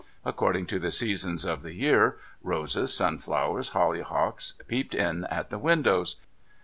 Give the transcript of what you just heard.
According to the seasons of the year, roses, sunflowers, hollyhocks, peeped in at the windows.